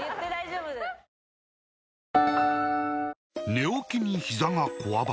寝起きにひざがこわばる